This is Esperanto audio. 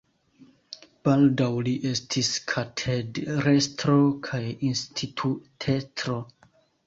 Baldaŭ li estis katedrestro kaj institutestro.